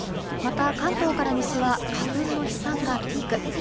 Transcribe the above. また関東から西は花粉の飛散がピーク。